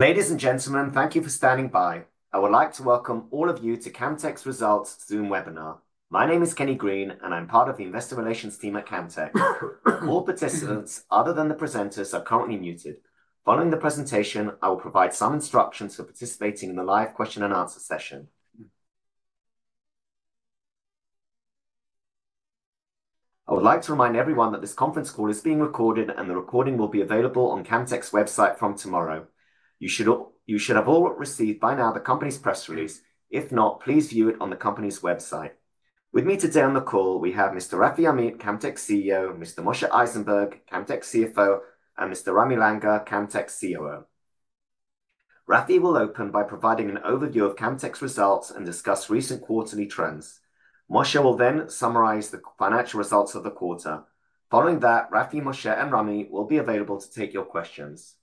Ladies and gentlemen, thank you for standing by. I would like to welcome all of you to Camtek's Results Zoom webinar. My name is Kenny Green, and I'm part of the Investor Relations team at Camtek. All participants, other than the presenters, are currently muted. Following the presentation, I will provide some instructions for participating in the live question-and-answer session. I would like to remind everyone that this conference call is being recorded, and the recording will be available on Camtek's website from tomorrow. You should have all received by now the company's press release. If not, please view it on the company's website. With me today on the call, we have Mr. Rafi Amit, Camtek's CEO, Mr. Moshe Eisenberg, Camtek's CFO, and Mr. Ramy Langer, Camtek's COO. Rafi will open by providing an overview of Camtek's results and discuss recent quarterly trends. Moshe will then summarize the financial results of the quarter. Following that, Rafi, Moshe, and Ramy will be available to take your questions.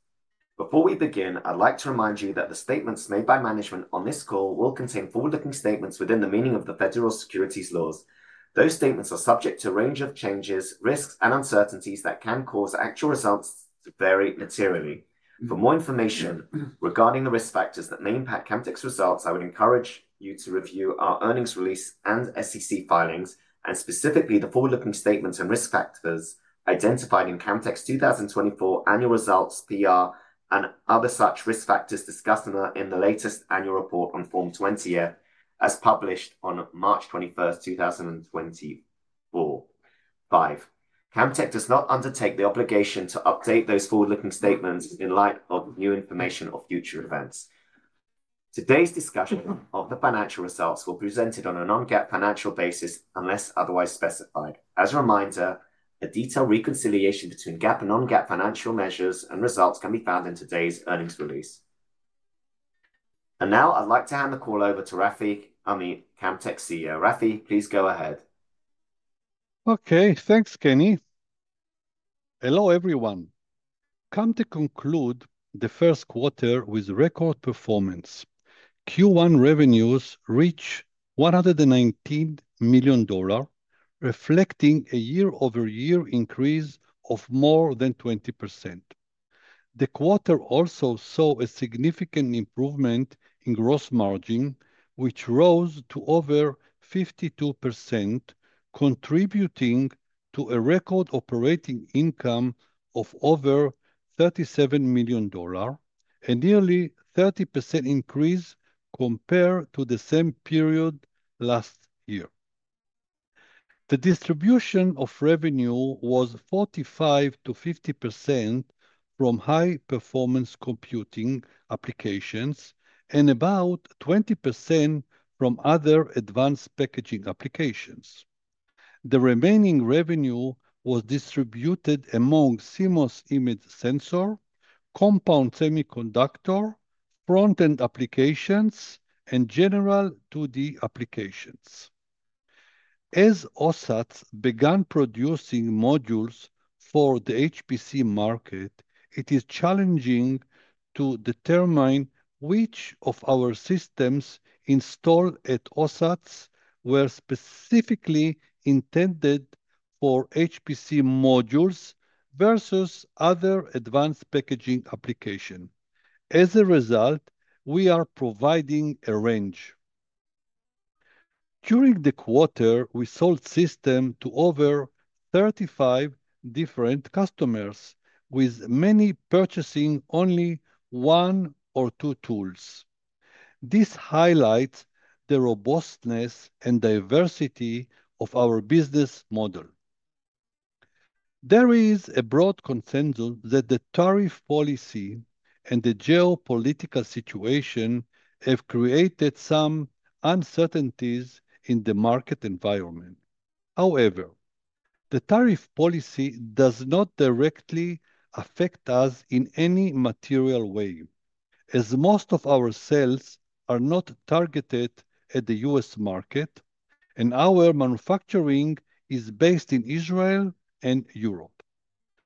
Before we begin, I'd like to remind you that the statements made by management on this call will contain forward-looking statements within the meaning of the Federal Securities Laws. Those statements are subject to a range of changes, risks, and uncertainties that can cause actual results to vary materially. For more information regarding the risk factors that may impact Camtek's results, I would encourage you to review our earnings release and SEC filings, and specifically the forward-looking statements and risk factors identified in Camtek's 2024 Annual Results PR and other such risk factors discussed in the latest annual report on Form 20F, as published on March 21, 2024. Camtek does not undertake the obligation to update those forward-looking statements in light of new information or future events. Today's discussion of the financial results will be presented on a non-GAAP financial basis unless otherwise specified. As a reminder, a detailed reconciliation between GAAP and non-GAAP financial measures and results can be found in today's earnings release. I would like to hand the call over to Rafi Amit, Camtek's CEO. Rafi, please go ahead. Okay, thanks, Kenny. Hello everyone. Camtek concluded the first quarter with record performance. Q1 revenues reached $119 million, reflecting a year-over-year increase of more than 20%. The quarter also saw a significant improvement in gross margin, which rose to over 52%, contributing to a record operating income of over $37 million, a nearly 30% increase compared to the same period last year. The distribution of revenue was 45%-50% from high-performance computing applications and about 20% from other advanced packaging applications. The remaining revenue was distributed among CMOS image sensor, compound semiconductor, front-end applications, and general 2D applications. As OSATs began producing modules for the HPC market, it is challenging to determine which of our systems installed at OSATs were specifically intended for HPC modules versus other advanced packaging applications. As a result, we are providing a range. During the quarter, we sold systems to over 35 different customers, with many purchasing only one or two tools. This highlights the robustness and diversity of our business model. There is a broad consensus that the tariff policy and the geopolitical situation have created some uncertainties in the market environment. However, the tariff policy does not directly affect us in any material way, as most of our sales are not targeted at the U.S. market, and our manufacturing is based in Israel and Europe.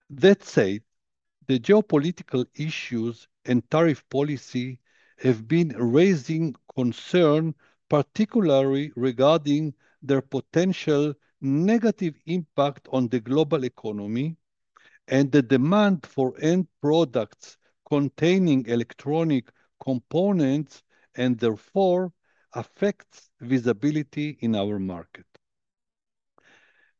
That said, the geopolitical issues and tariff policy have been raising concern, particularly regarding their potential negative impact on the global economy and the demand for end products containing electronic components, and therefore affects visibility in our market.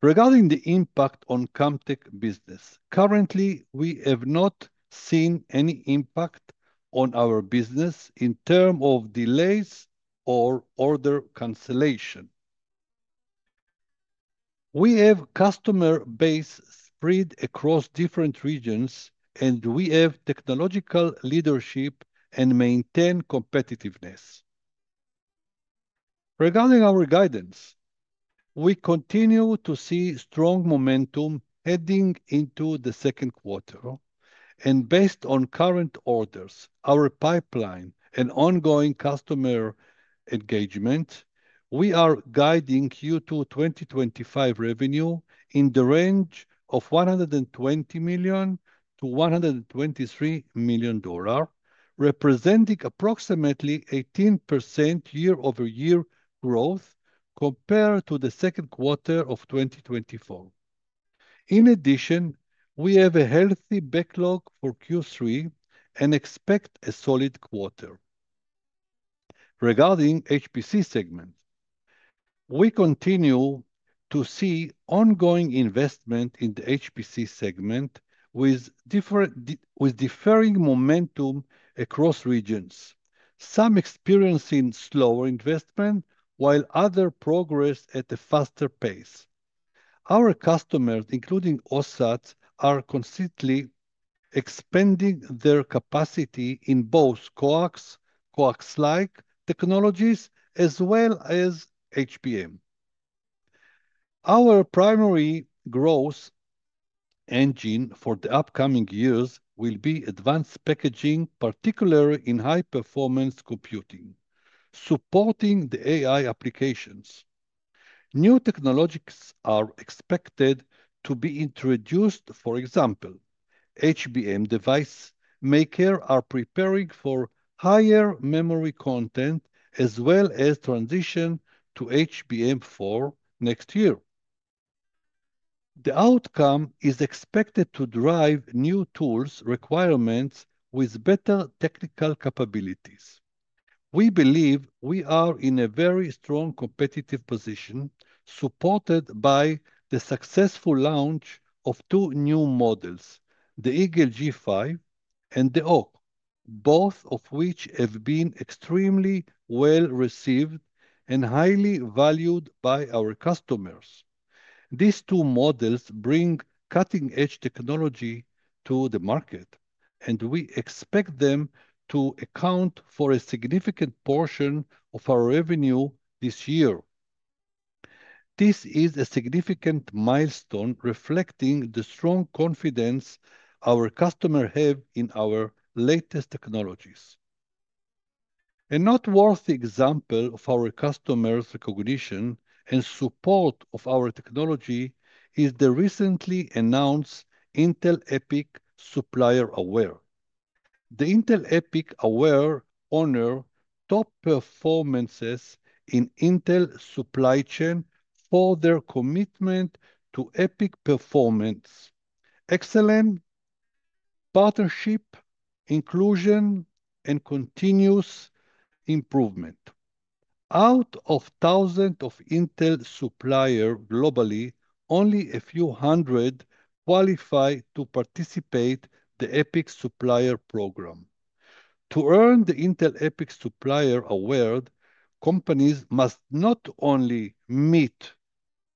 Regarding the impact on Camtek business, currently, we have not seen any impact on our business in terms of delays or order cancellation. We have a customer base spread across different regions, and we have technological leadership and maintain competitiveness. Regarding our guidance, we continue to see strong momentum heading into the second quarter, and based on current orders, our pipeline, and ongoing customer engagement, we are guiding Q2 2025 revenue in the range of $120 million-$123 million, representing approximately 18% year-over-year growth compared to the second quarter of 2024. In addition, we have a healthy backlog for Q3 and expect a solid quarter. Regarding the HPC segment, we continue to see ongoing investment in the HPC segment, with differing momentum across regions, some experiencing slower investment while others progress at a faster pace. Our customers, including OSATs, are consistently expanding their capacity in both CoWoS and CoWoS-like technologies, as well as HBM. Our primary growth engine for the upcoming years will be advanced packaging, particularly in high-performance computing, supporting the AI applications. New technologies are expected to be introduced. For example, HBM device makers are preparing for higher memory content, as well as transition to HBM4 next year. The outcome is expected to drive new tools requirements with better technical capabilities. We believe we are in a very strong competitive position, supported by the successful launch of two new models, the Eagle G5 and the Hawk, both of which have been extremely well received and highly valued by our customers. These two models bring cutting-edge technology to the market, and we expect them to account for a significant portion of our revenue this year. This is a significant milestone reflecting the strong confidence our customers have in our latest technologies. A noteworthy example of our customers' recognition and support of our technology is the recently announced Intel EPYC Supplier Award. The Intel EPYC Award honors top performances in Intel's supply chain for their commitment to EPYC performance, excellent partnership, inclusion, and continuous improvement. Out of thousands of Intel suppliers globally, only a few hundred qualify to participate in the EPYC Supplier Program. To earn the Intel EPYC Supplier Award, companies must not only meet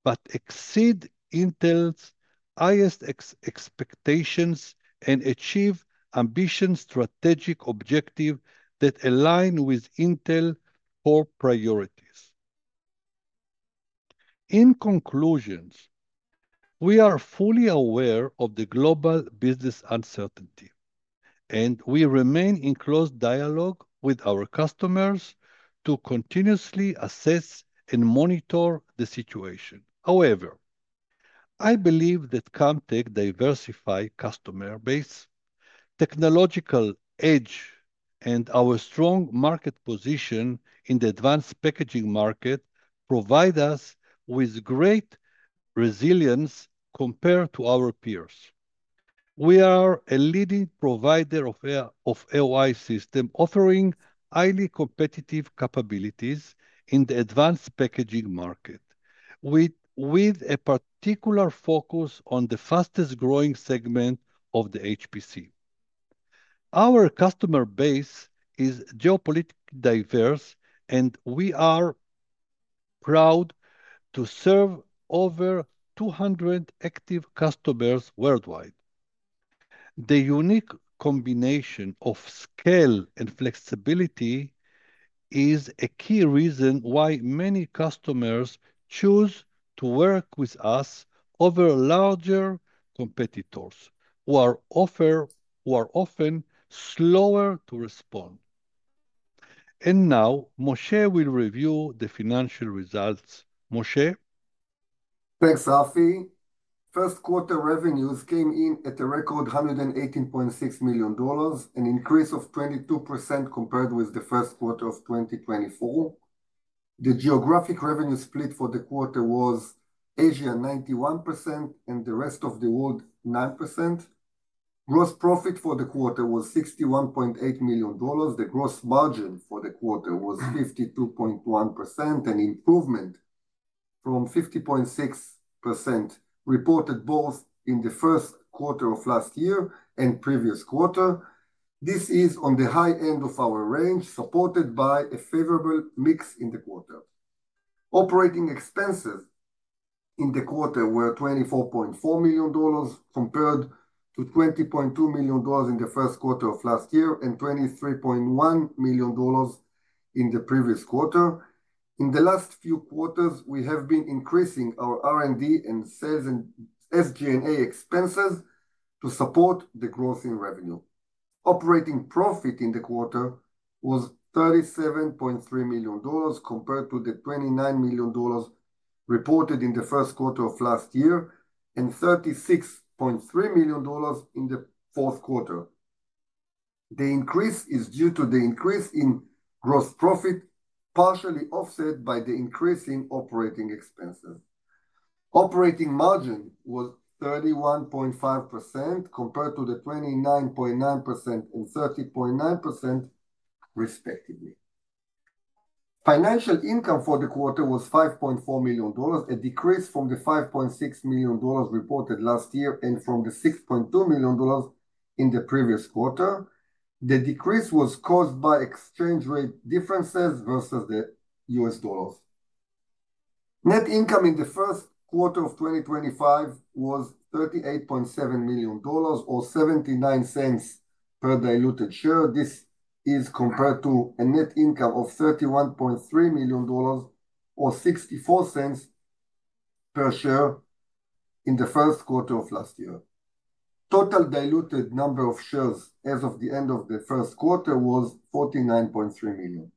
but exceed Intel's highest expectations and achieve ambitious strategic objectives that align with Intel's core priorities. In conclusion, we are fully aware of the global business uncertainty, and we remain in close dialogue with our customers to continuously assess and monitor the situation. However, I believe that Camtek diversifies the customer base, technological edge, and our strong market position in the advanced packaging market provides us with great resilience compared to our peers. We are a leading provider of AOI systems, offering highly competitive capabilities in the advanced packaging market, with a particular focus on the fastest-growing segment of the HPC. Our customer base is geopolitically diverse, and we are proud to serve over 200 active customers worldwide. The unique combination of scale and flexibility is a key reason why many customers choose to work with us over larger competitors who are often slower to respond. Now, Moshe will review the financial results. Moshe? Thanks, Rafi. First quarter revenues came in at a record $118.6 million, an increase of 22% compared with the first quarter of 2024. The geographic revenue split for the quarter was Asia 91% and the rest of the world 9%. Gross profit for the quarter was $61.8 million. The gross margin for the quarter was 52.1%, an improvement from 50.6% reported both in the first quarter of last year and previous quarter. This is on the high end of our range, supported by a favorable mix in the quarter. Operating expenses in the quarter were $24.4 million compared to $20.2 million in the first quarter of last year and $23.1 million in the previous quarter. In the last few quarters, we have been increasing our R&D and sales and SG&A expenses to support the growth in revenue. Operating profit in the quarter was $37.3 million compared to the $29 million reported in the first quarter of last year and $36.3 million in the fourth quarter. The increase is due to the increase in gross profit, partially offset by the increase in operating expenses. Operating margin was 31.5% compared to the 29.9% and 30.9%, respectively. Financial income for the quarter was $5.4 million, a decrease from the $5.6 million reported last year and from the $6.2 million in the previous quarter. The decrease was caused by exchange rate differences versus the US dollars. Net income in the first quarter of 2025 was $38.7 million or $0.79 per diluted share. This is compared to a net income of $31.3 million or $0.64 per share in the first quarter of last year. Total diluted number of shares as of the end of the first quarter was 49.3 million.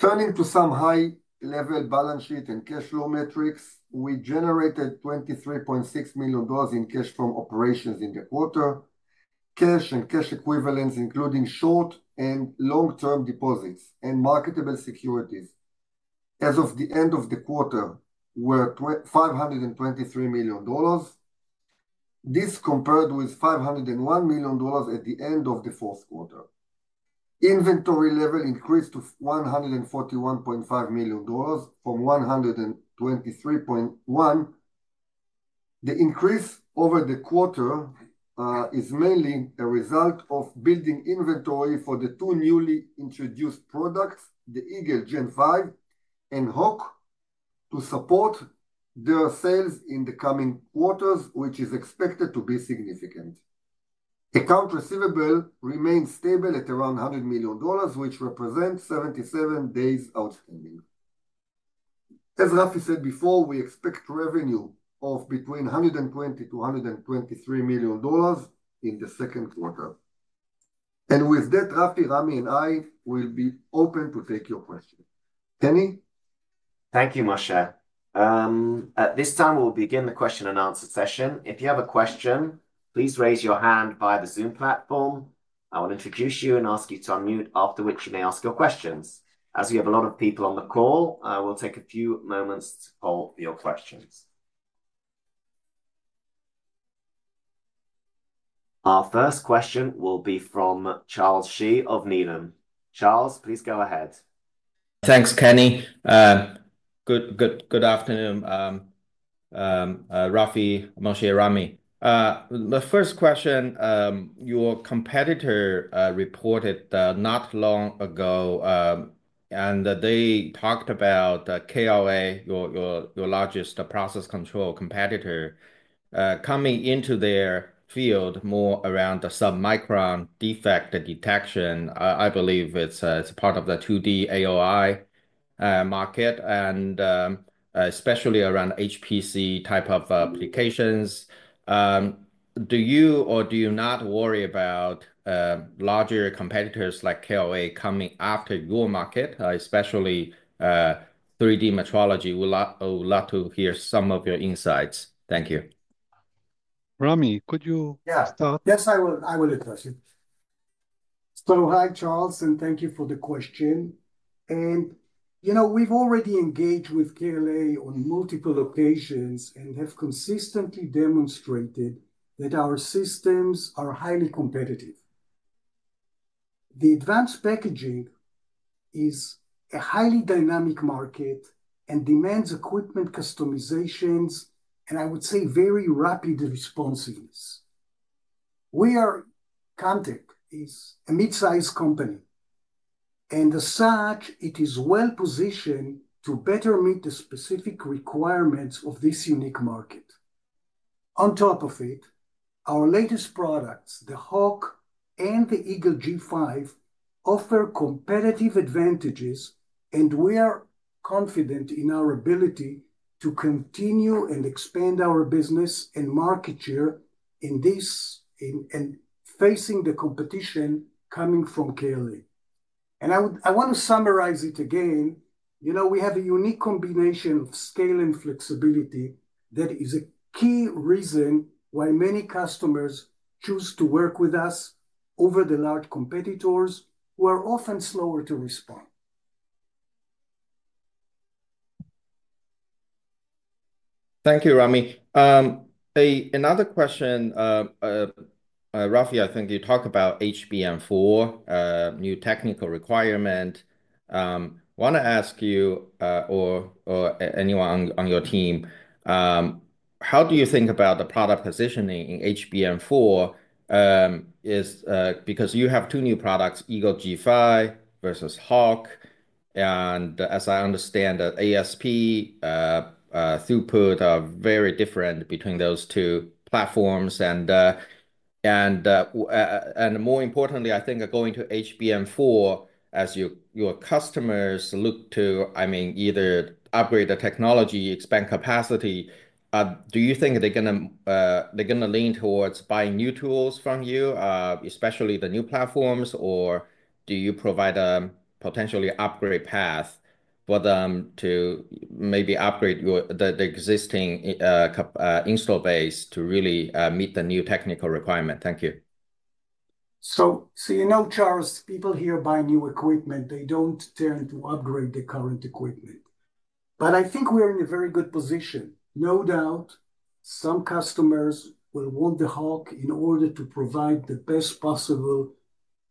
Turning to some high-level balance sheet and cash flow metrics, we generated $23.6 million in cash from operations in the quarter, cash and cash equivalents, including short and long-term deposits and marketable securities. As of the end of the quarter, we were $523 million. This compared with $501 million at the end of the fourth quarter. Inventory level increased to $141.5 million from $123.1 million. The increase over the quarter is mainly a result of building inventory for the two newly introduced products, the Eagle G5 and Hawk, to support their sales in the coming quarters, which is expected to be significant. Account receivable remained stable at around $100 million, which represents 77 days outstanding. As Rafi said before, we expect revenue of between $120-$123 million in the second quarter. With that, Rafi, Ramy, and I will be open to take your questions. Kenny? Thank you, Moshe. At this time, we'll begin the question and answer session. If you have a question, please raise your hand via the Zoom platform. I will introduce you and ask you to unmute, after which you may ask your questions. As we have a lot of people on the call, we'll take a few moments to poll your questions. Our first question will be from Charles Shi of Needham. Charles, please go ahead. Thanks, Kenny. Good afternoon, Rafi, Moshe, Ramy. My first question, your competitor reported not long ago, and they talked about KLA, your largest process control competitor, coming into their field more around the submicron defect detection. I believe it's part of the 2D AOI market, and especially around HPC type of applications. Do you or do you not worry about larger competitors like KLA coming after your market, especially 3D metrology? We'd love to hear some of your insights. Thank you. Ramy, could you start? Yes, I will address it. Hi, Charles, and thank you for the question. You know we've already engaged with KLA on multiple occasions and have consistently demonstrated that our systems are highly competitive. The advanced packaging is a highly dynamic market and demands equipment customizations, and I would say very rapid responsiveness. Camtek is a mid-sized company, and as such, it is well positioned to better meet the specific requirements of this unique market. On top of it, our latest products, the Hawk and the Eagle G5, offer competitive advantages, and we are confident in our ability to continue and expand our business and market share in this and facing the competition coming from KLA. I want to summarize it again. You know we have a unique combination of scale and flexibility that is a key reason why many customers choose to work with us over the large competitors who are often slower to respond. Thank you, Ramy. Another question, Rafi, I think you talked about HBM4, new technical requirement. I want to ask you or anyone on your team, how do you think about the product positioning in HBM4? Because you have two new products, Eagle G5 versus Hawk, and as I understand, the ASP throughput are very different between those two platforms. More importantly, I think going to HBM4, as your customers look to, I mean, either upgrade the technology, expand capacity, do you think they're going to lean towards buying new tools from you, especially the new platforms, or do you provide a potentially upgrade path for them to maybe upgrade the existing install base to really meet the new technical requirement? Thank you. You know, Charles, people here buy new equipment. They do not tend to upgrade the current equipment. I think we are in a very good position. No doubt, some customers will want the Hawk in order to provide the best possible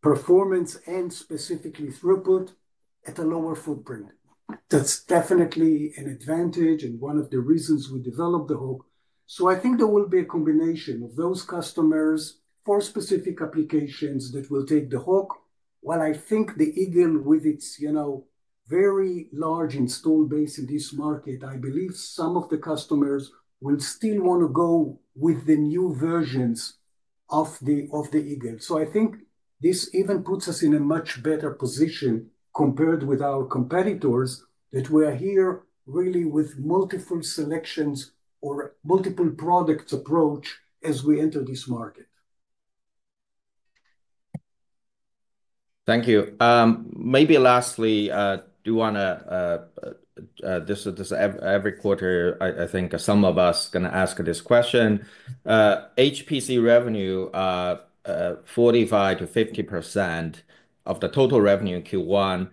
performance and specifically throughput at a lower footprint. That is definitely an advantage and one of the reasons we developed the Hawk. I think there will be a combination of those customers for specific applications that will take the Hawk. While I think the Eagle, with its very large install base in this market, I believe some of the customers will still want to go with the new versions of the Eagle. I think this even puts us in a much better position compared with our competitors that we are here really with multiple selections or multiple products approach as we enter this market. Thank you. Maybe lastly, do you want to, every quarter, I think some of us are going to ask this question. HPC revenue, 45%-50% of the total revenue Q1.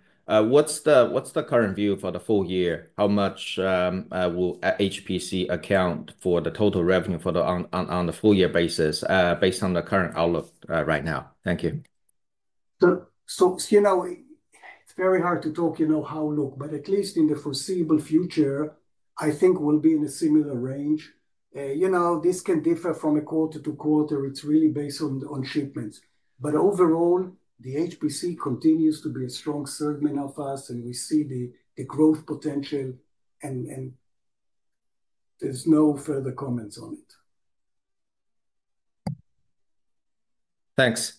What's the current view for the full year? How much will HPC account for the total revenue on a full year basis based on the current outlook right now? Thank you. You know it's very hard to talk you know how long, but at least in the foreseeable future, I think we'll be in a similar range. You know this can differ from quarter to quarter. It's really based on shipments. Overall, the HPC continues to be a strong segment of us, and we see the growth potential, and there's no further comments on it. Thanks.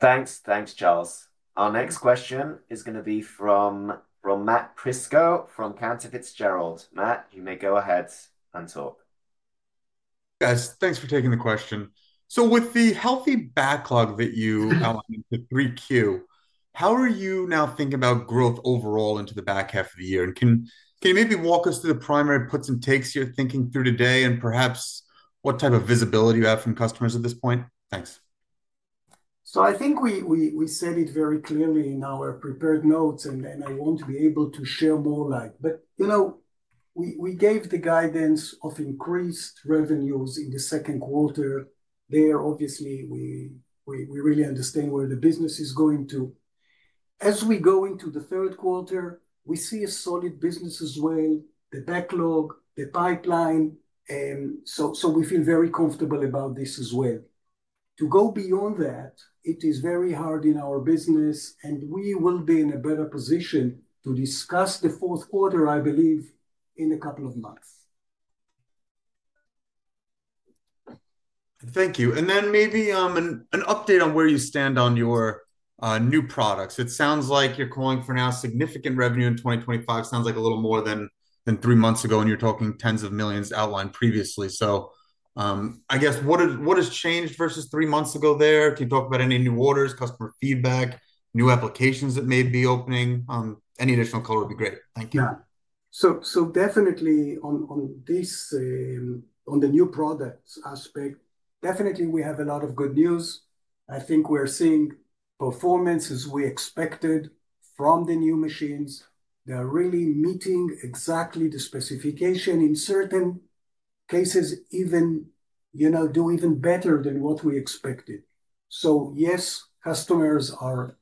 Thanks, thanks, Charles. Our next question is going to be from Matt Prisco from Cantor Fitzgerald. Matt, you may go ahead and talk. Thanks for taking the question. With the healthy backlog that you outlined in the 3Q, how are you now thinking about growth overall into the back half of the year? Can you maybe walk us through the primary puts and takes you're thinking through today and perhaps what type of visibility you have from customers at this point? Thanks. I think we said it very clearly in our prepared notes, and I want to be able to share more light. But you know we gave the guidance of increased revenues in the second quarter there. Obviously, we really understand where the business is going to. As we go into the third quarter, we see a solid business as well, the backlog, the pipeline. So we feel very comfortable about this as well. To go beyond that, it is very hard in our business, and we will be in a better position to discuss the fourth quarter, I believe, in a couple of months. Thank you. Maybe an update on where you stand on your new products. It sounds like you're calling for now significant revenue in 2025. It sounds like a little more than three months ago, and you're talking tens of millions outlined previously. I guess what has changed versus three months ago there? Can you talk about any new orders, customer feedback, new applications that may be opening? Any additional color would be great. Thank you. Yeah. Definitely on the new products aspect, definitely we have a lot of good news. I think we're seeing performance as we expected from the new machines. They're really meeting exactly the specification. In certain cases, you know, do even better than what we expected. Yes, customers are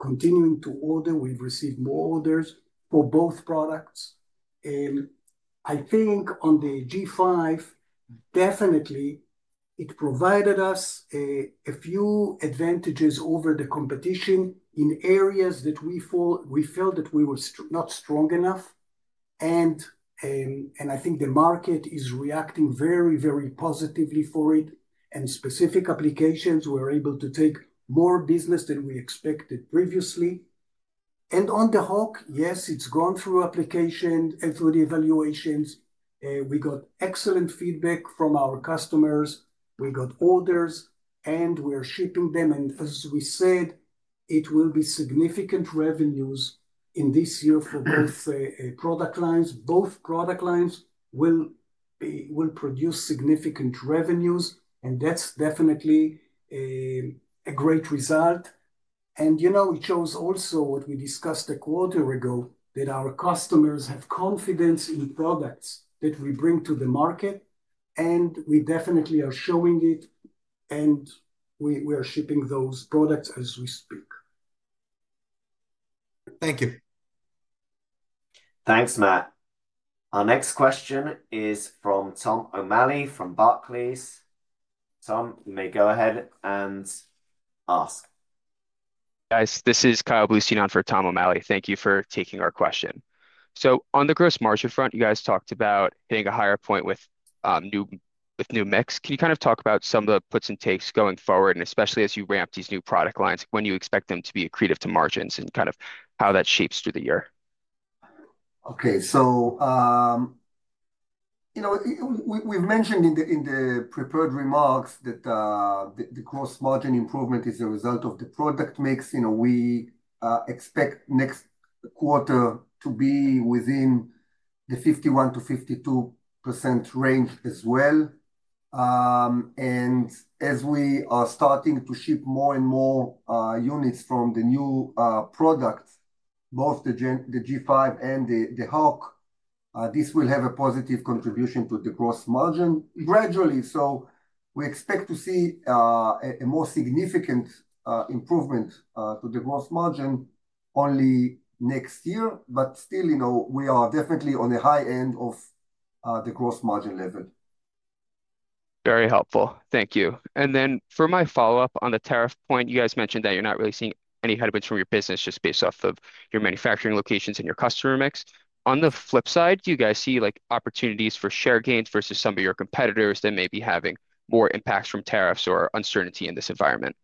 continuing to order. We've received more orders for both products. I think on the G5, definitely it provided us a few advantages over the competition in areas that we felt that we were not strong enough. I think the market is reacting very, very positively for it. In specific applications, we're able to take more business than we expected previously. On the Hawk, yes, it's gone through application and through the evaluations. We got excellent feedback from our customers. We got orders, and we are shipping them. As we said, it will be significant revenues in this year for both product lines. Both product lines will produce significant revenues, and that's definitely a great result. You know, it shows also what we discussed a quarter ago, that our customers have confidence in products that we bring to the market, and we definitely are showing it, and we are shipping those products as we speak. Thank you. Thanks, Matt. Our next question is from Tom O'Malley from Barclays. Tom, you may go ahead and ask. Guys, this is Kyle Bluestein on for Tom O'Malley. Thank you for taking our question. On the gross margin front, you guys talked about hitting a higher point with new mix. Can you kind of talk about some of the puts and takes going forward, and especially as you ramp these new product lines, when you expect them to be accretive to margins and kind of how that shapes through the year? Okay. So you know we've mentioned in the prepared remarks that the gross margin improvement is a result of the product mix. You know we expect next quarter to be within the 51%-52% range as well. As we are starting to ship more and more units from the new products, both the G5 and the Hawk, this will have a positive contribution to the gross margin gradually. We expect to see a more significant improvement to the gross margin only next year, but still you know we are definitely on the high end of the gross margin level. Very helpful. Thank you. For my follow-up on the tariff point, you guys mentioned that you're not really seeing any headwinds from your business just based off of your manufacturing locations and your customer mix. On the flip side, do you guys see opportunities for share gains versus some of your competitors that may be having more impacts from tariffs or uncertainty in this environment?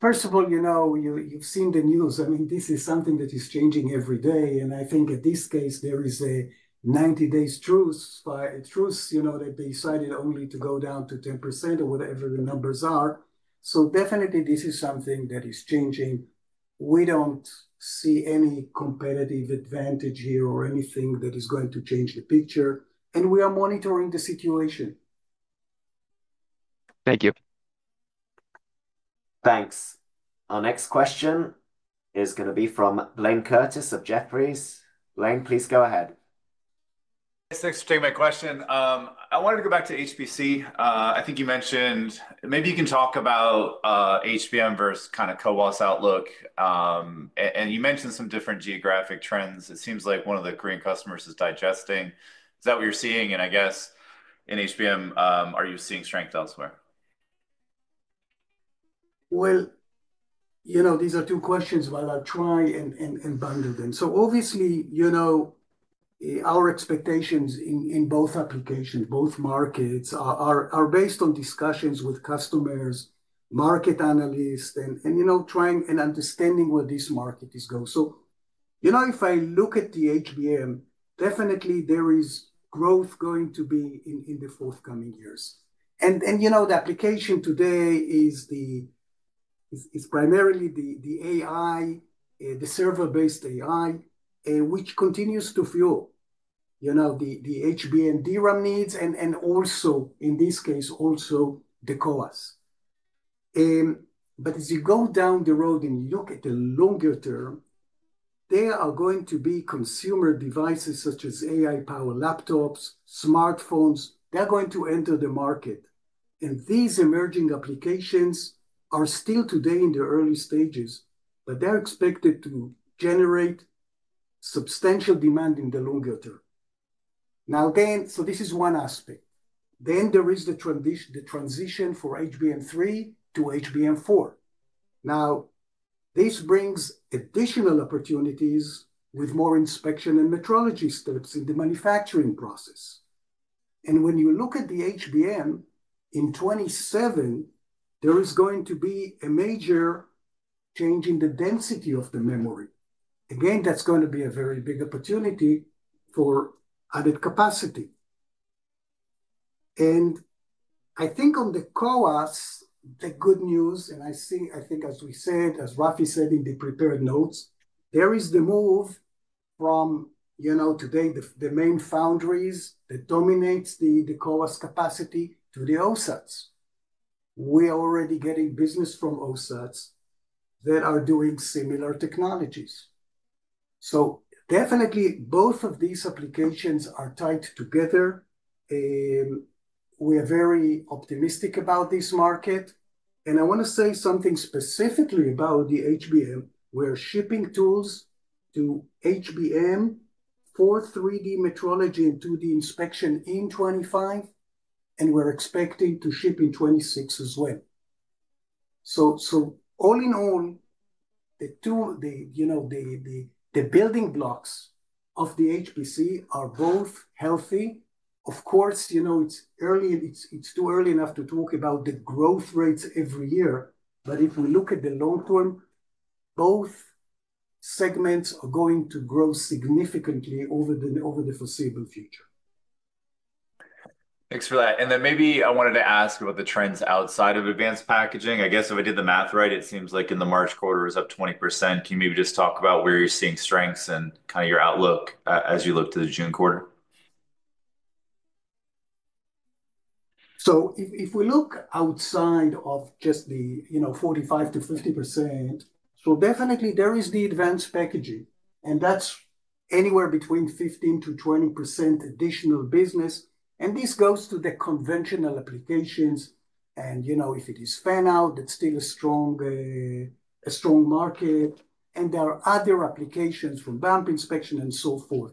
First of all, you know you've seen the news. I mean, this is something that is changing every day. I think in this case, there is a 90-day truce that they decided only to go down to 10% or whatever the numbers are. This is something that is changing. We do not see any competitive advantage here or anything that is going to change the picture. We are monitoring the situation. Thank you. Thanks. Our next question is going to be from Blayne Curtis of Jefferies. Blayne, please go ahead. Thanks for taking my question. I wanted to go back to HPC. I think you mentioned maybe you can talk about HBM versus kind of CoWoS outlook. You mentioned some different geographic trends. It seems like one of the Korean customers is digesting. Is that what you're seeing? I guess in HBM, are you seeing strength elsewhere? You know these are two questions while I try and bundle them. Obviously, you know our expectations in both applications, both markets are based on discussions with customers, market analysts, and you know trying and understanding where this market is going. You know if I look at the HBM, definitely there is growth going to be in the forthcoming years. You know the application today is primarily the AI, the server-based AI, which continues to fuel, you know, the HBM DRAM needs and also, in this case, also the CoWoS. As you go down the road and you look at the longer term, there are going to be consumer devices such as AI-powered laptops, smartphones. They are going to enter the market. These emerging applications are still today in the early stages, but they are expected to generate substantial demand in the longer term. Now, again, so this is one aspect. Then there is the transition for HBM3 to HBM4. Now, this brings additional opportunities with more inspection and metrology steps in the manufacturing process. And when you look at the HBM in 2027, there is going to be a major change in the density of the memory. Again, that's going to be a very big opportunity for added capacity. I think on the CoWoS, the good news, and I think, as we said, as Rafi said in the prepared notes, there is the move from, you know, today the main foundries that dominate the CoWoS capacity to the OSATs. We are already getting business from OSATs that are doing similar technologies. So definitely, both of these applications are tied together. We are very optimistic about this market. I want to say something specifically about the HBM. We are shipping tools to HBM for 3D metrology and 2D inspection in 2025, and we're expecting to ship in 2026 as well. All in all, the building blocks of the HPC are both healthy. Of course, you know it's too early enough to talk about the growth rates every year. If we look at the long term, both segments are going to grow significantly over the foreseeable future. Thanks for that. Maybe I wanted to ask about the trends outside of advanced packaging. I guess if I did the math right, it seems like in the March quarter it is up 20%. Can you maybe just talk about where you're seeing strengths and kind of your outlook as you look to the June quarter? If we look outside of just the 45%-50%, definitely there is the advanced packaging, and that's anywhere between 15%-20% additional business. This goes to the conventional applications. You know if it is fan-out, that's still a strong market. There are other applications from damp inspection and so forth.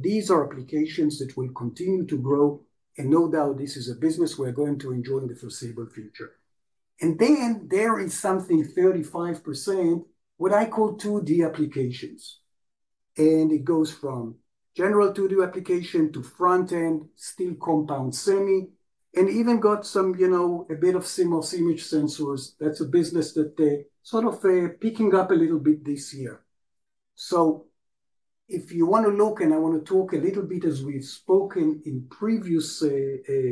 These are applications that will continue to grow. No doubt, this is a business we're going to enjoy in the foreseeable future. Then there is something 35%, what I call 2D applications. It goes from general 2D application to front-end, still compound semi, and even got some, you know, a bit of CMOS image sensors. That's a business that they're sort of picking up a little bit this year. If you want to look, and I want to talk a little bit as we've spoken in previous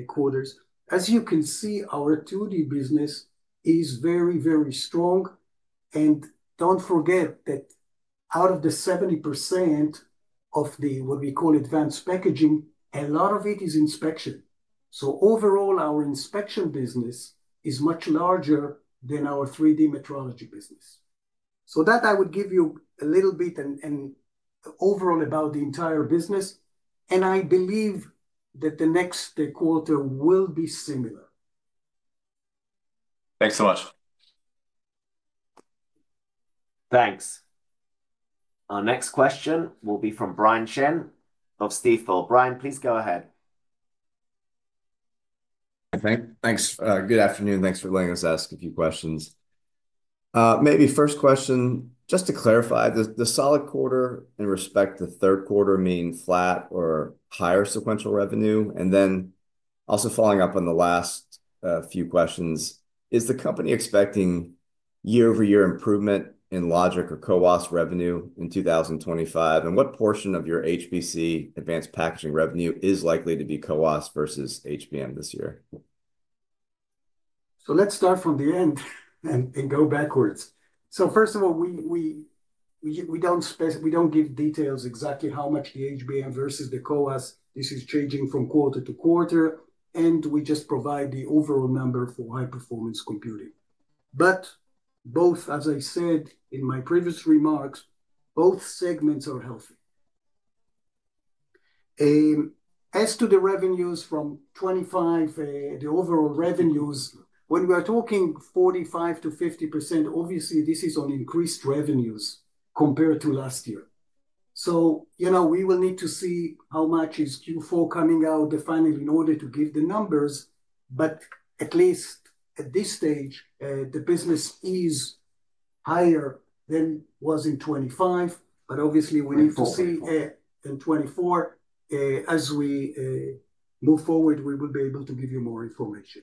quarters, as you can see, our 2D business is very, very strong. Do not forget that out of the 70% of what we call advanced packaging, a lot of it is inspection. Overall, our inspection business is much larger than our 3D metrology business. That I would give you a little bit and overall about the entire business. I believe that the next quarter will be similar. Thanks so much. Thanks. Our next question will be from Brian Chin of Stifel. Brian, please go ahead. Thanks. Good afternoon. Thanks for letting us ask a few questions. Maybe first question, just to clarify, does the solid quarter in respect to third quarter mean flat or higher sequential revenue? Also, following up on the last few questions, is the company expecting year-over-year improvement in logic or CoWoS revenue in 2025? What portion of your HPC advanced packaging revenue is likely to be CoWoS versus HBM this year? Let's start from the end and go backwards. First of all, we don't give details exactly how much the HBM versus the CoWoS, this is changing from quarter to quarter. We just provide the overall number for high-performance computing. Both, as I said in my previous remarks, both segments are healthy. As to the revenues from 2025, the overall revenues, when we are talking 45%-50%, obviously this is on increased revenues compared to last year. You know we will need to see how much is Q4 coming out, the final, in order to give the numbers. At least at this stage, the business is higher than it was in 2025. Obviously, we need to see in 2024. As we move forward, we will be able to give you more information.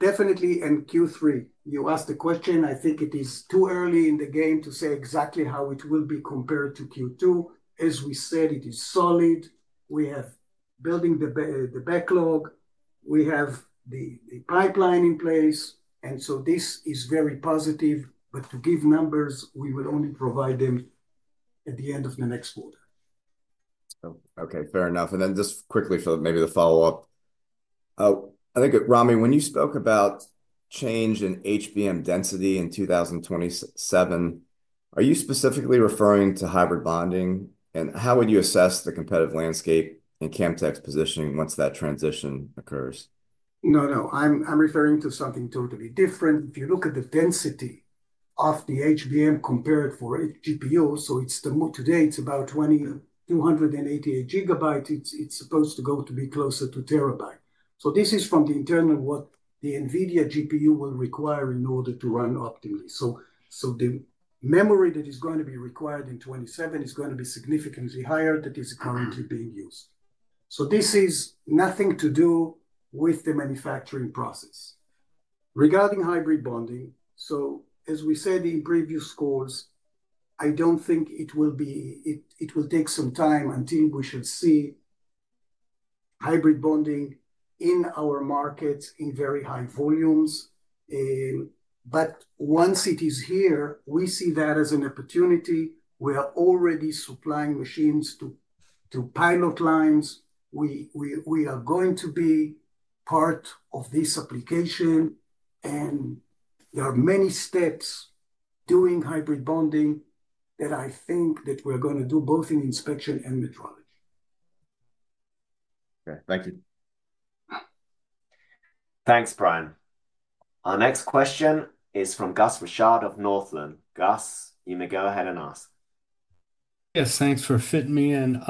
Definitely in Q3, you asked a question. I think it is too early in the game to say exactly how it will be compared to Q2. As we said, it is solid. We have building the backlog. We have the pipeline in place. This is very positive. To give numbers, we will only provide them at the end of the next quarter. Okay. Fair enough. And then just quickly for maybe the follow-up. I think, Ramy, when you spoke about change in HBM density in 2027, are you specifically referring to hybrid bonding? And how would you assess the competitive landscape and Camtek's positioning once that transition occurs? No, no. I'm referring to something totally different. If you look at the density of the HBM compared for GPU, it's today it's about 288 gigabytes. It's supposed to go to be closer to a terabyte. This is from the internal what the NVIDIA GPU will require in order to run optimally. The memory that is going to be required in 2027 is going to be significantly higher than is currently being used. This is nothing to do with the manufacturing process. Regarding hybrid bonding, as we said in previous calls, I don't think it will take some time until we should see hybrid bonding in our markets in very high volumes. Once it is here, we see that as an opportunity. We are already supplying machines to pilot lines. We are going to be part of this application. There are many steps doing hybrid bonding that I think that we're going to do both in inspection and metrology. Okay. Thank you. Thanks, Brian. Our next question is from Gus Richard of Northland. Gus, you may go ahead and ask. Yes. Thanks for fitting me in.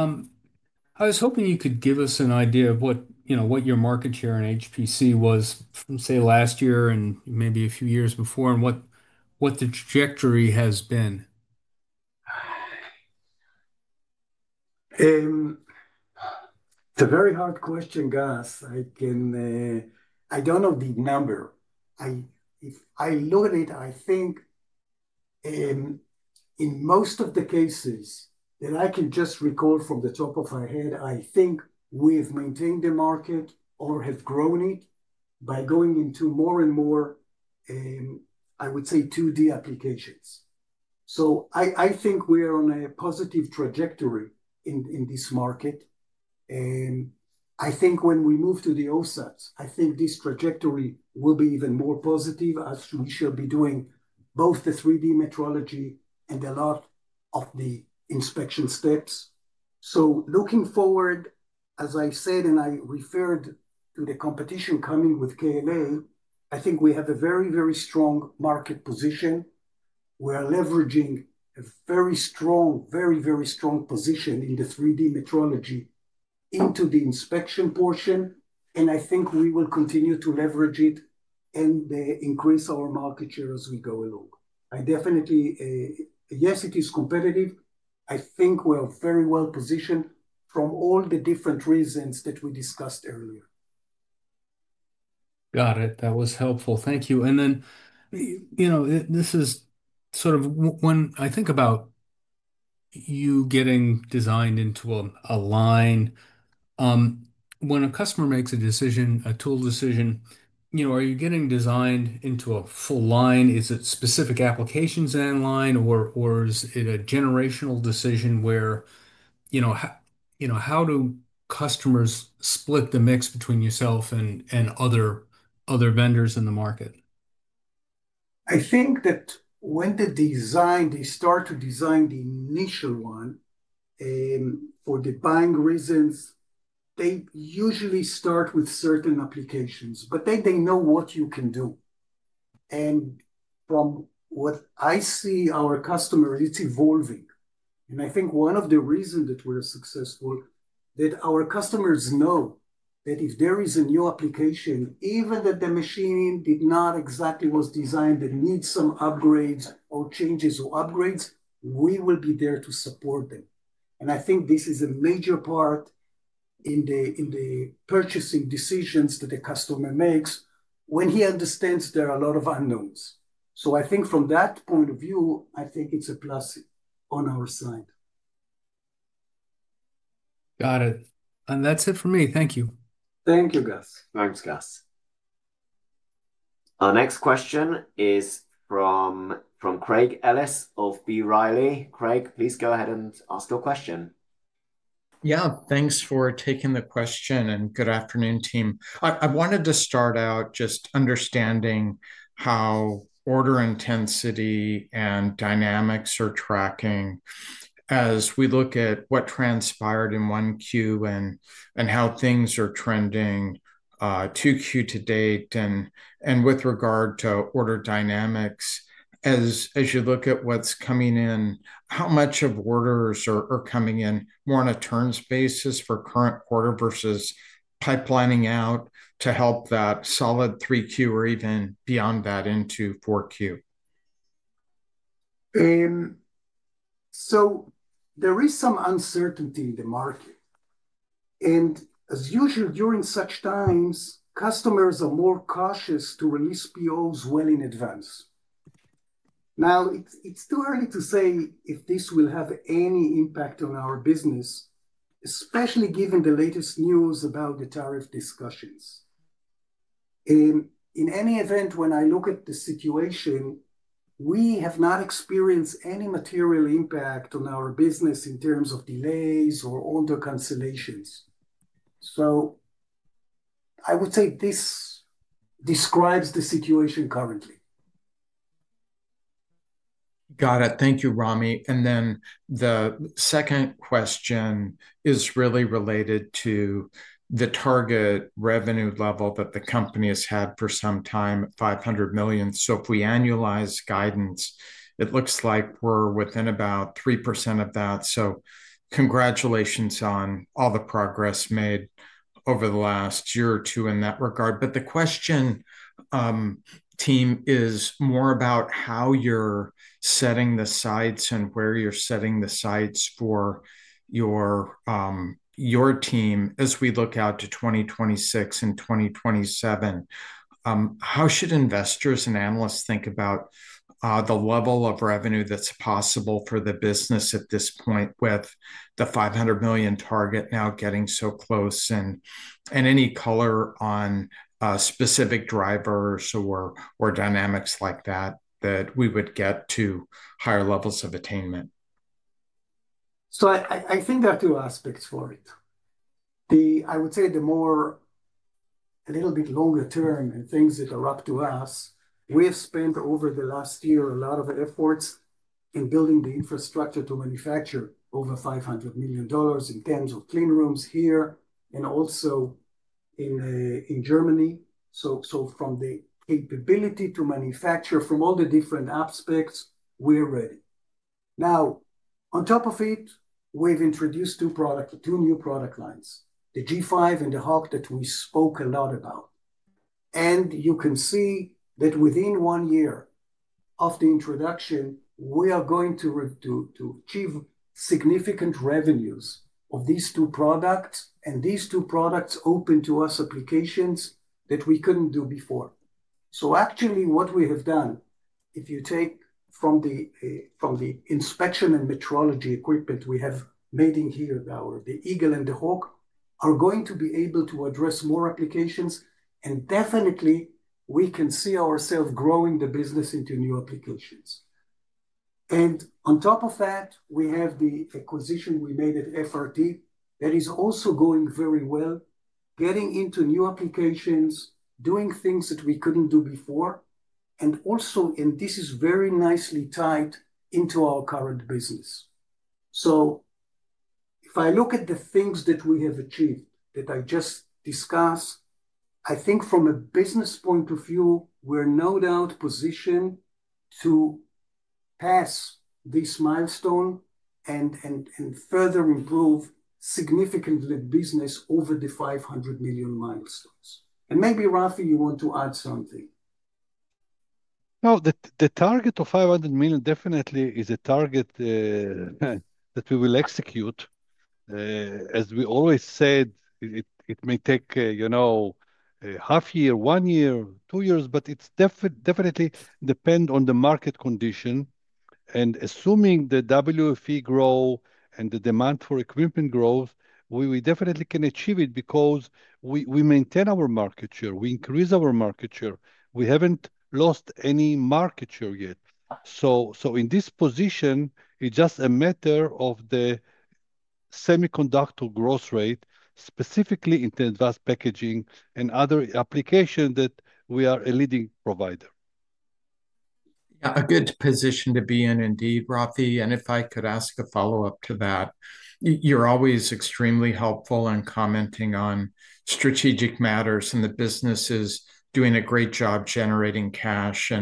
I was hoping you could give us an idea of what your market share in HPC was from, say, last year and maybe a few years before and what the trajectory has been. It's a very hard question, Gus. I don't know the number. If I look at it, I think in most of the cases that I can just recall from the top of my head, I think we have maintained the market or have grown it by going into more and more, I would say, 2D applications. I think we are on a positive trajectory in this market. I think when we move to the OSATs, I think this trajectory will be even more positive as we should be doing both the 3D metrology and a lot of the inspection steps. Looking forward, as I said, and I referred to the competition coming with KLA, I think we have a very, very strong market position. We are leveraging a very strong, very, very strong position in the 3D metrology into the inspection portion. I think we will continue to leverage it and increase our market share as we go along. Yes, it is competitive. I think we're very well positioned from all the different reasons that we discussed earlier. Got it. That was helpful. Thank you. You know, this is sort of when I think about you getting designed into a line, when a customer makes a decision, a tool decision, you know, are you getting designed into a full line? Is it specific applications in line, or is it a generational decision where, you know, how do customers split the mix between yourself and other vendors in the market? I think that when they start to design the initial one for the buying reasons, they usually start with certain applications, but they know what you can do. From what I see, our customer, it's evolving. I think one of the reasons that we're successful is that our customers know that if there is a new application, even that the machine did not exactly was designed that needs some upgrades or changes or upgrades, we will be there to support them. I think this is a major part in the purchasing decisions that the customer makes when he understands there are a lot of unknowns. I think from that point of view, I think it's a plus on our side. Got it. And that's it for me. Thank you. Thank you, Gus. Thanks, Gus. Our next question is from Craig Ellis of B. Riley. Craig, please go ahead and ask your question. Yeah. Thanks for taking the question. Good afternoon, team. I wanted to start out just understanding how order intensity and dynamics are tracking as we look at what transpired in 1Q and how things are trending 2Q to date. With regard to order dynamics, as you look at what's coming in, how much of orders are coming in more on a turns basis for current quarter versus pipelining out to help that solid 3Q or even beyond that into 4Q? There is some uncertainty in the market. As usual, during such times, customers are more cautious to release POs well in advance. Now, it's too early to say if this will have any impact on our business, especially given the latest news about the tariff discussions. In any event, when I look at the situation, we have not experienced any material impact on our business in terms of delays or order cancellations. I would say this describes the situation currently. Got it. Thank you, Ramy. The second question is really related to the target revenue level that the company has had for some time, $500 million. If we annualize guidance, it looks like we're within about 3% of that. Congratulations on all the progress made over the last year or two in that regard. The question, team, is more about how you're setting the sites and where you're setting the sites for your team as we look out to 2026 and 2027. How should investors and analysts think about the level of revenue that's possible for the business at this point with the $500 million target now getting so close and any color on specific drivers or dynamics like that that we would get to higher levels of attainment? I think there are two aspects for it. I would say the more a little bit longer term and things that are up to us, we have spent over the last year a lot of efforts in building the infrastructure to manufacture over $500 million in terms of clean rooms here and also in Germany. From the capability to manufacture from all the different aspects, we're ready. Now, on top of it, we've introduced two new product lines, the G5 and the Hawk that we spoke a lot about. You can see that within one year of the introduction, we are going to achieve significant revenues of these two products. These two products open to us applications that we could not do before. Actually, what we have done, if you take from the inspection and metrology equipment we have made in here, the Eagle and the Hawk, are going to be able to address more applications. Definitely, we can see ourselves growing the business into new applications. On top of that, we have the acquisition we made at FRT that is also going very well, getting into new applications, doing things that we could not do before. Also, this is very nicely tied into our current business. If I look at the things that we have achieved that I just discussed, I think from a business point of view, we are no doubt positioned to pass this milestone and further improve significantly business over the $500 million milestones. Maybe, Rafi, you want to add something. No, the target of $500 million definitely is a target that we will execute. As we always said, it may take a half year, one year, two years, but it's definitely depend on the market condition. Assuming the WFE grow and the demand for equipment grows, we definitely can achieve it because we maintain our market share. We increase our market share. We haven't lost any market share yet. In this position, it's just a matter of the semiconductor growth rate, specifically in the advanced packaging and other applications that we are a leading provider. Yeah, a good position to be in, indeed, Rafi. If I could ask a follow-up to that, you're always extremely helpful in commenting on strategic matters. The business is doing a great job generating cash.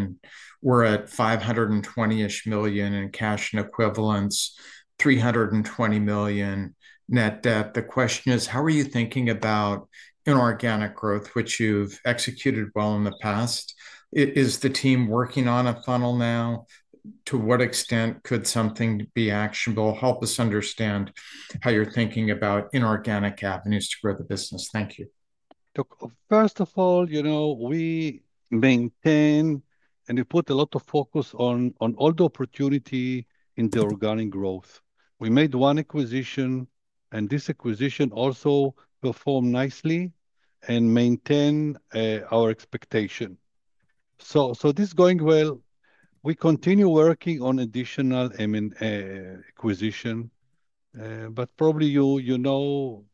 We're at $520 million in cash and equivalents, $320 million net debt. The question is, how are you thinking about inorganic growth, which you've executed well in the past? Is the team working on a funnel now? To what extent could something be actionable? Help us understand how you're thinking about inorganic avenues to grow the business. Thank you. First of all, you know we maintain and we put a lot of focus on all the opportunity in the organic growth. We made one acquisition. This acquisition also performed nicely and maintained our expectation. This is going well. We continue working on additional acquisition. Probably you know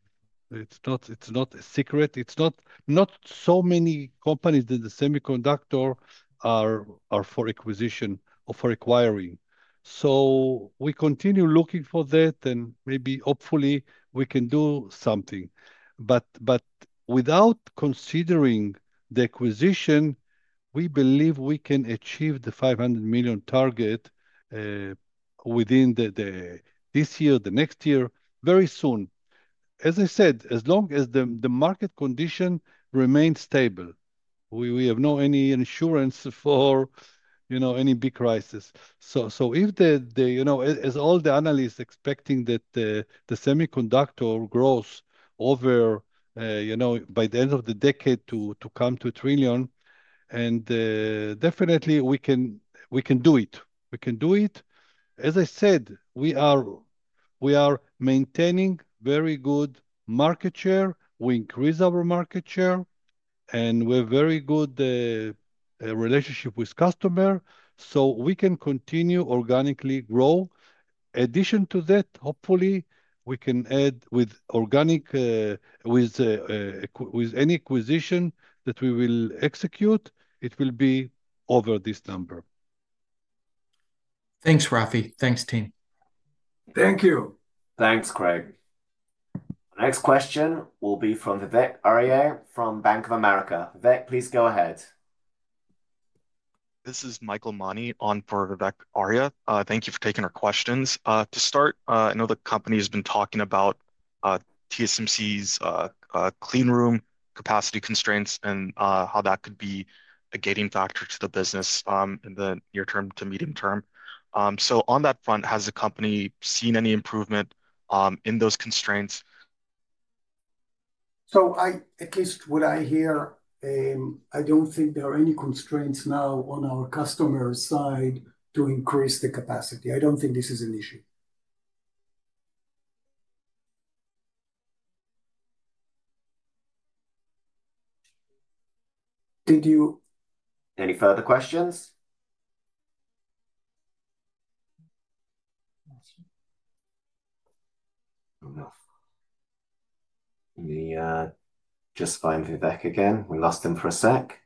it's not a secret. There are not so many companies in the semiconductor that are for acquisition or for acquiring. We continue looking for that. Maybe hopefully, we can do something. Without considering the acquisition, we believe we can achieve the $500 million target within this year, the next year, very soon. As I said, as long as the market condition remains stable, we have no insurance for any big crisis. If, as all the analysts are expecting, the semiconductor grows over by the end of the decade to come to a trillion, and definitely, we can do it. We can do it. As I said, we are maintaining very good market share. We increase our market share. And we have a very good relationship with customers. We can continue to organically grow. In addition to that, hopefully, we can add with any acquisition that we will execute, it will be over this number. Thanks, Rafi. Thanks, team. Thank you. Thanks, Craig. Next question will be from Vivek Arya from Bank of America. Vivek, please go ahead. This is Michael Mani on for Vivek Arya. Thank you for taking our questions. To start, I know the company has been talking about TSMC's clean room capacity constraints and how that could be a gating factor to the business in the near term to medium term. On that front, has the company seen any improvement in those constraints? At least what I hear, I don't think there are any constraints now on our customer's side to increase the capacity. I don't think this is an issue. Did you? Any further questions? Just fine, Vivek again. We lost him for a sec.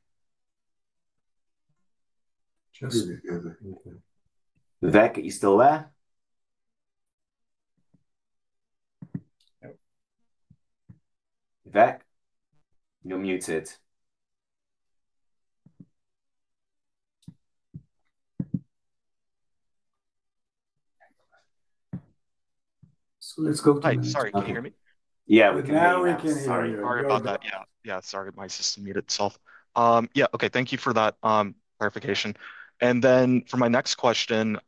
Just. Vivek, are you still there? Vivek, you're muted. Let's go back. Hi, sorry, can you hear me? Yeah, we can hear you. Sorry about that. Yeah, sorry, my system muted itself. Yeah, okay, thank you for that clarification. For my next question,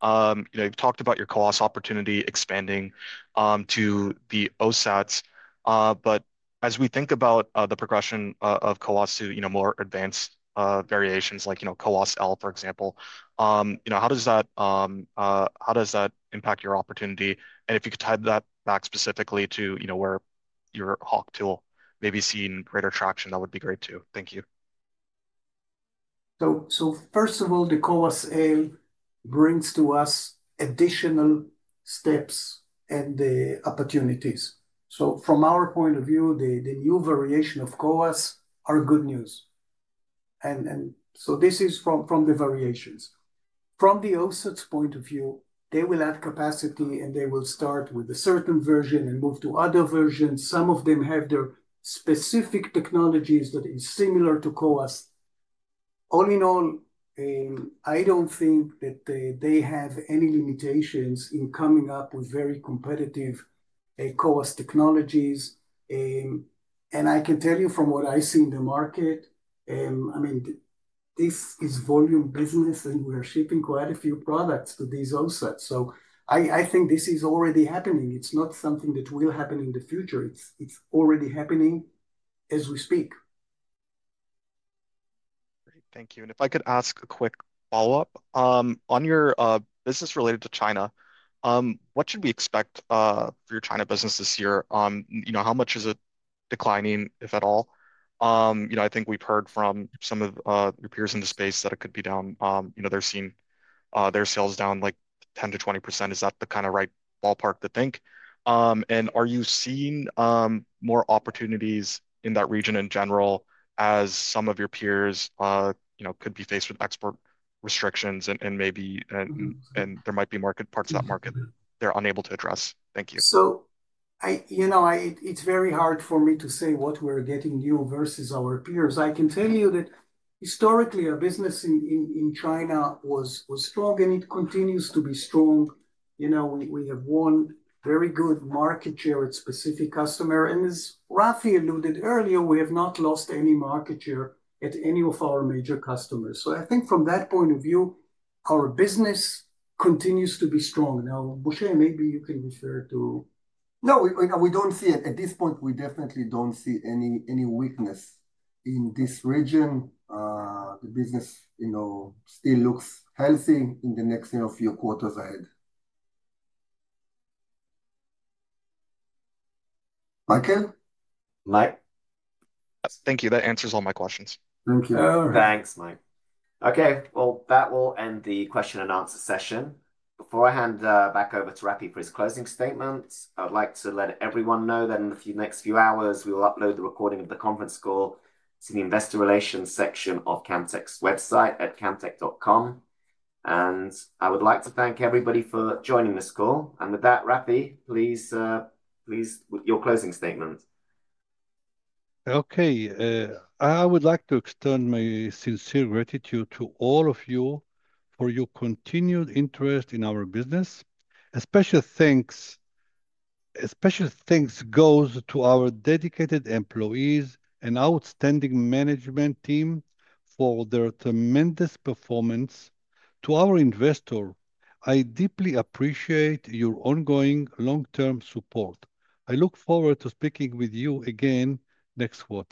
you've talked about your CoWoS opportunity expanding to the OSATs. As we think about the progression of CoWoS to more advanced variations, like CoWoS L, for example, how does that impact your opportunity? If you could tie that back specifically to where your Hawk tool may be seeing greater traction, that would be great too. Thank you. First of all, the CoWoS L brings to us additional steps and the opportunities. From our point of view, the new variation of CoWoS are good news. This is from the variations. From the OSATs point of view, they will add capacity, and they will start with a certain version and move to other versions. Some of them have their specific technologies that are similar to CoWoS. All in all, I do not think that they have any limitations in coming up with very competitive CoWoS technologies. I can tell you from what I see in the market, I mean, this is volume business, and we are shipping quite a few products to these OSATs. I think this is already happening. It is not something that will happen in the future. It is already happening as we speak. Great. Thank you. If I could ask a quick follow-up, on your business related to China, what should we expect for your China business this year? How much is it declining, if at all? I think we've heard from some of your peers in the space that it could be down. They're seeing their sales down like 10-20%. Is that the kind of right ballpark to think? Are you seeing more opportunities in that region in general as some of your peers could be faced with export restrictions and maybe there might be parts of that market they're unable to address? Thank you. It's very hard for me to say what we're getting new versus our peers. I can tell you that historically, our business in China was strong, and it continues to be strong. We have one very good market share at a specific customer. As Rafi alluded earlier, we have not lost any market share at any of our major customers. I think from that point of view, our business continues to be strong. Now, Moshe, maybe you can refer to— no, we don't see it. At this point, we definitely don't see any weakness in this region. The business still looks healthy in the next few quarters ahead. Michael? Mike. Yes, thank you. That answers all my questions. Thank you. Thanks, Mike. Okay, that will end the question and answer session. Before I hand back over to Rafi for his closing statements, I would like to let everyone know that in the next few hours, we will upload the recording of the conference call to the investor relations section of Camtek's website at camtek.com. I would like to thank everybody for joining this call. With that, Rafi, please your closing statement. Okay. I would like to extend my sincere gratitude to all of you for your continued interest in our business. Especially, thanks goes to our dedicated employees and outstanding management team for their tremendous performance. To our investor, I deeply appreciate your ongoing long-term support. I look forward to speaking with you again next quarter.